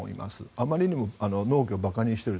あまりにも農業を馬鹿にしている。